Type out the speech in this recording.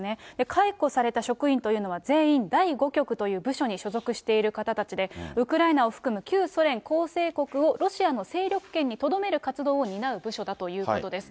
解雇された職員というのは全員第５局という部署に所属している方たちで、ウクライナを含む旧ソ連構成国をロシアの勢力圏にとどめる活動を担う部署だということです。